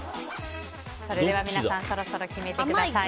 それでは皆さんそろそろ決めてください。